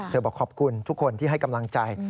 บอกขอบคุณทุกคนที่ให้กำลังใจ